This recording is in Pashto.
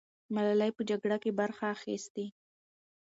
ملالۍ په جګړه کې برخه اخیستې.